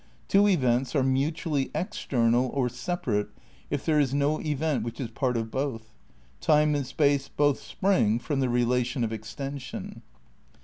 Two events are mutually external or 'separate' if there is no event which is part of both. Time and space both spring from the relation of extension."